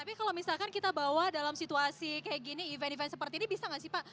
tapi kalau misalkan kita bawa dalam situasi kayak gini event event seperti ini bisa nggak sih pak